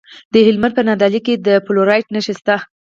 د هلمند په نادعلي کې د فلورایټ نښې شته.